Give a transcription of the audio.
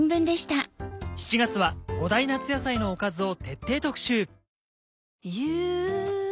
７月は５大夏野菜のおかずを徹底特集。